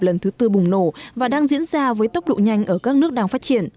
lần thứ tư bùng nổ và đang diễn ra với tốc độ nhanh ở các nước đang phát triển